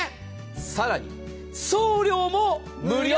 更に、送料も無料！